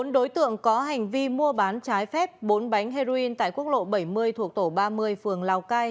bốn đối tượng có hành vi mua bán trái phép bốn bánh heroin tại quốc lộ bảy mươi thuộc tổ ba mươi phường lào cai